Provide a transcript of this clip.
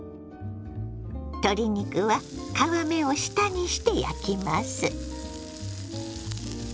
鶏肉は皮目を下にして焼きます。